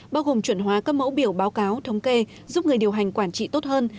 bao gồm chuẩn hóa các mẫu biểu báo cáo thống kê giúp người điều hành quản trị tốt hơn